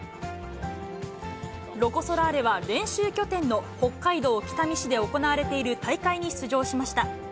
ロコ・ソラーレは練習拠点の北海道北見市で行われている大会に出場しました。